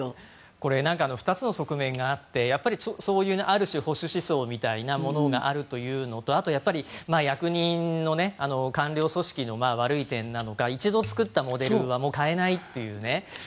これ、２つの側面があってある種、保守思想みたいなのがあるというのとあと役人の官僚組織の悪い点なのか一度作ったモデルはもう変えないという。